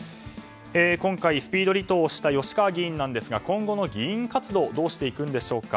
今回スピード離党をした吉川議員ですが今後の議員活動どうしていくんでしょうか。